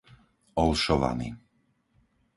Olšovany